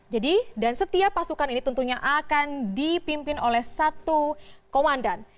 dan setiap pasukan ini tentunya akan dipimpin oleh satu komandan